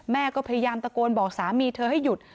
แม่ก็พยายามตะโกนบอกสามีเธอให้หยุด